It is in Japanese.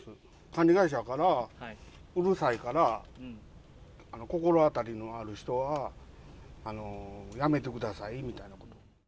管理会社から、うるさいから心当たりのある人はやめてくださいみたいなことを。